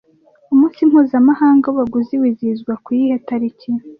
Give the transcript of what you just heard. Umunsi mpuzamahanga w’abaguzi wizihizwa ku yihe tariki